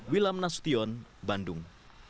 wilam nastion bandung